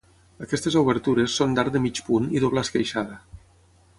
Aquestes obertures són d'arc de mig punt i doble esqueixada.